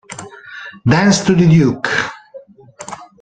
Dance to the Duke!